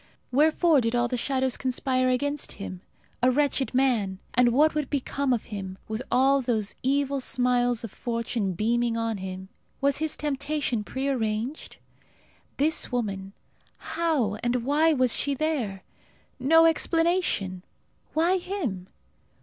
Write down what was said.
Wherefore did all the shadows conspire against him, a wretched man; and what would become of him, with all those evil smiles of fortune beaming on him? Was his temptation prearranged? This woman, how and why was she there? No explanation! Why him?